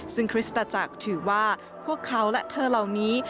ซึ่งคริสตจักรถือว่าพวกเขาและเธอเหล่านี้